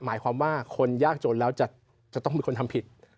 หมายความว่าคนยากจนแล้วจะต้องมีคนทำผิด